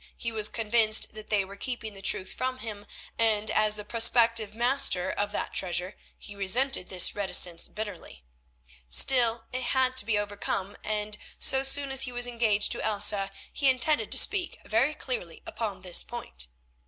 He was convinced that they were keeping the truth from him, and as the prospective master of that treasure he resented this reticence bitterly. Still, it had to be overcome, and so soon as he was engaged to Elsa he intended to speak very clearly upon this point.